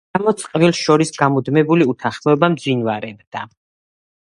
ამის გამო წყვილს შორის გამუდმებული უთანხმოება მძვინვარებდა.